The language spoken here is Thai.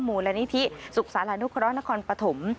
มูลและนิธิศุกษารณุคร้อนครปฐม